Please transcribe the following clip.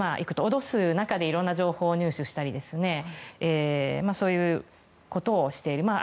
脅す中でいろんな情報を入手したりそういうことをしている。